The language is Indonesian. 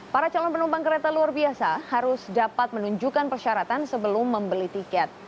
para calon penumpang kereta luar biasa harus dapat menunjukkan persyaratan sebelum membeli tiket